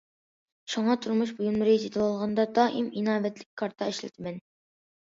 شۇڭا تۇرمۇش بۇيۇملىرى سېتىۋالغاندا دائىم ئىناۋەتلىك كارتا ئىشلىتىمەن.